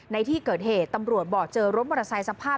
ในที่เกิดเหตุตำรวจบอกเจอรถมอเตอร์ไซค์สภาพ